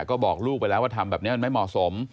ก็บอกลูกไปแล้วว่าทำแบบนี้มันไม่เหมาะสม